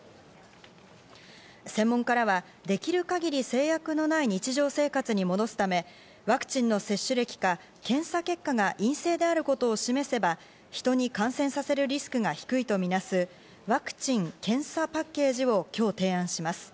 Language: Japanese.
専門家らは、できる限り制約のない日常生活に戻すため、ワクチンの接種歴か検査結果が陰性であることを示せば人に感染させるリスクが低いとみなす、ワクチン・接種パッケージを提案します。